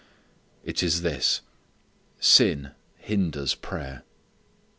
It is this: sin hinders prayer.